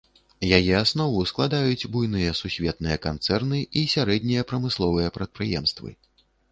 Яе аснову складаюць буйныя сусветныя канцэрны і сярэднія прамысловыя прадпрыемствы.